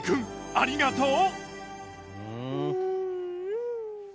ありがとう。